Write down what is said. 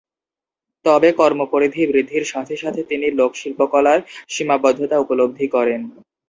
তবে কর্মপরিধি বৃদ্ধির সাথে সাথে তিনি লোক শিল্পকলার সীমাবদ্ধতা উপলব্ধি করেন।